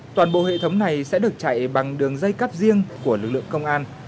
toàn bộ hệ thống này sẽ được chạy bằng đường dây cắt riêng của lực lượng công an